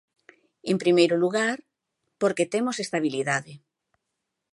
En primeiro lugar, porque temos estabilidade.